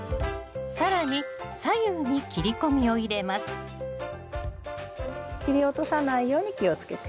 続いて更に切り落とさないように気をつけて。